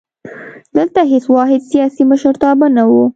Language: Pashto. دلته هېڅ واحد سیاسي مشرتابه نه وو.